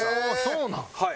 そうなん？